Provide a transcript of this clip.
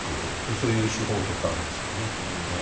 そういう手法を取ったわけですよね。